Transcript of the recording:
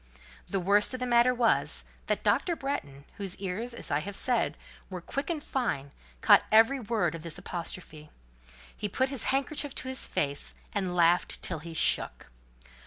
The worst of the matter was, that Dr. Bretton, whose ears, as I have said, were quick and fine, caught every word of this apostrophe; he put his handkerchief to his face, and laughed till he shook.